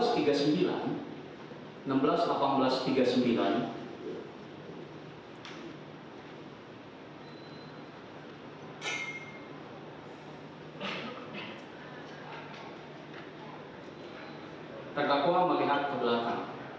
tengah kuah melihat ke belakang